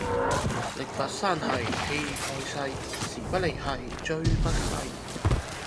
力拔山兮氣蓋世，時不利兮騅不逝